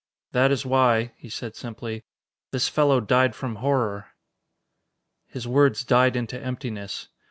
"That is why," he said simply, "this fellow died from horror." His words died into emptiness.